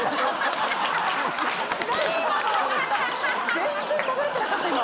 全然食べれてなかった今。